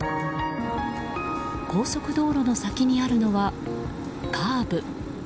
高速道路の先にあるのはカーブ。